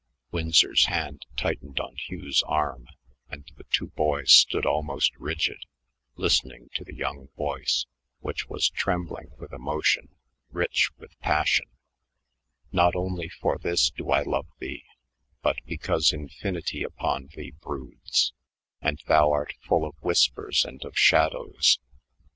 '" Winsor's hand tightened on Hugh's arm, and the two boys stood almost rigid listening to the young voice, which was trembling with emotion, rich with passion: "'Not only for this do I love thee, but Because Infinity upon thee broods; And thou are full of whispers and of shadows.